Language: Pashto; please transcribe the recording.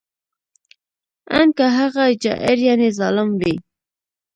ان که هغه جائر یعنې ظالم وي